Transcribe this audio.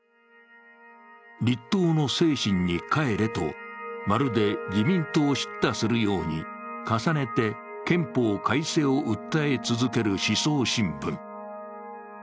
立党の精神に帰れと、まるで自民党を叱咤するように重ねて憲法改正を訴え続ける思想新聞。